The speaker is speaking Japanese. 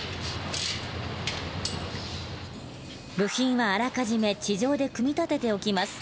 部品はあらかじめ地上で組み立てておきます。